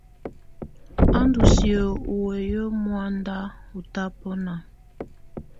A ndɔ siǝ́ u wǝ́yi muanda ɔ tabɔna.